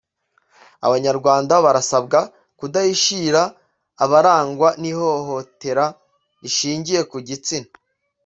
’Abanyarwanda barasabwa kudahishira abarangwa n’ihohotera rishingiye ku gitsina